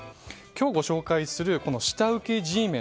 今日、ご紹介する下請けＧメ